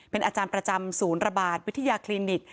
เป็นอาจารย์ประจำศูนย์ระบาดวิทยาคลินิก